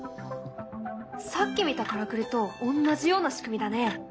さっき見たからくりと同じような仕組みだね。